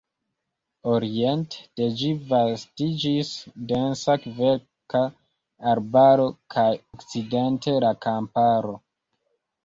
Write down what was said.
Oriente de ĝi vastiĝis densa kverka arbaro kaj okcidente – la kamparo.